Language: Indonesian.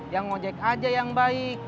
yang ngojek aja yang baik